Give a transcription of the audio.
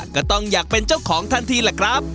ก็ต้องอยากเป็นเจ้าของทันทีแหละครับ